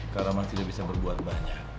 karena mas tidak bisa berbuat banyak